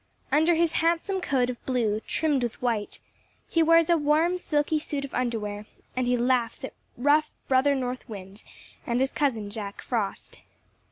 Under his handsome coat of blue, trimmed with white, he wears a warm silky suit of underwear, and he laughs at rough Brother North Wind and his cousin, Jack Frost.